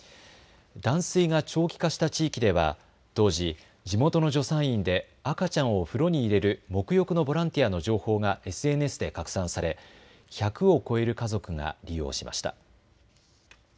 断水が長期化した地域では当時、地元の助産院で赤ちゃんを風呂に入れるもく浴のボランティアの情報がＳＮＳで拡散され１００を超える家族が利用しました。